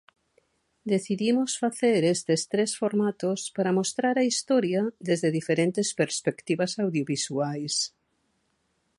Decidimos facer estes tres formatos para mostrar a historia desde diferentes perspectivas audiovisuais.